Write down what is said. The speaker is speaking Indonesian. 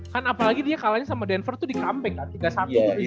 kan apalagi dia kalahnya sama denver tuh di comeback kan tiga satu dari empat tiga